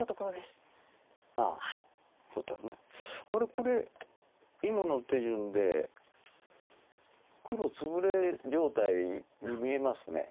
これ今の手順で黒ツブレ状態に見えます。